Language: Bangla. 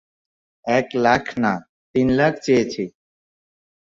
এক লাখ না, তিন লাখ চেয়েছি।